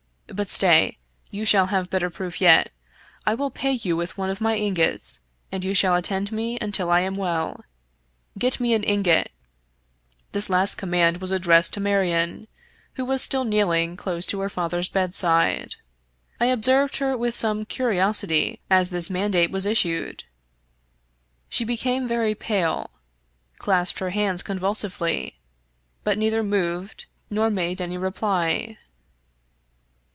But stay; you shall have better proof yet. I will pay you with one of my ingots, and you shall attend me until I am well. Get me an ingot I " This last command was addressed to Marion, who was still kneeling close to her father's bedside. I observed her with some curiosity as this mandate was issued. She be came very pale, clasped her hands convulsively, but neither moved nor made any reply.